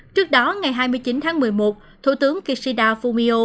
trước đó ngày hai mươi chín tháng một mươi một thủ tướng kishida fumio